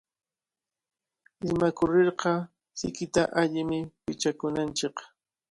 Ismakurirqa sikita allimi pichakunanchik.